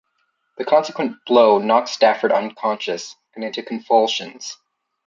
The consequent blow knocked Stafford unconscious, and into convulsions.